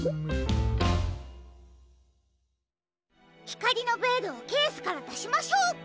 ひかりのベールをケースからだしましょう！